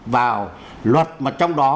vào luật mà trong đó